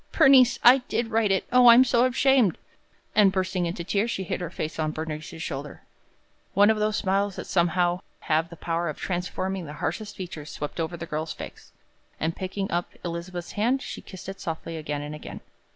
"Bernice, I did write it. O, I am so ashamed!" and, bursting into tears, she hid her face on Bernice's shoulder. One of those smiles that somehow have the power of transforming the harshest features, swept over the girl's face, and, picking up Elizabeth's hand, she kissed it softly again and again.